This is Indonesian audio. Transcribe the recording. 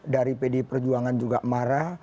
dari pdi perjuangan juga marah